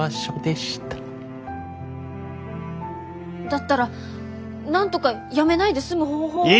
だったらなんとか辞めないで済む方法を。